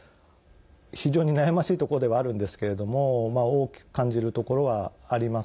非常に悩ましいところではあるんですけれども大きく感じるところはあります。